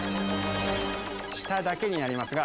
下だけになりますが。